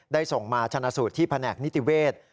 ส่งมาชนะสูตรที่แผนกนิติเวศ